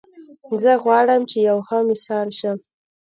زه غواړم چې یو ښه مثال شم